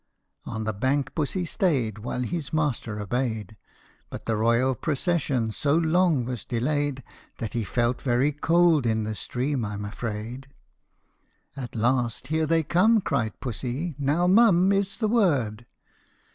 " On the bank Pussy stayed, while his master obeyed ;' But the Royal procession so long was delayed That he felt very cold in the stream, I 'm afraid. At last, " Here they come !" cried Pussy :" now, mum Is the word